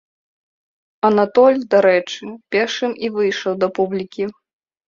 Анатоль, дарэчы, першым і выйшаў да публікі.